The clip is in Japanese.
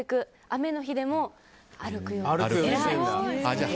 雨の日でも歩くようにしてます。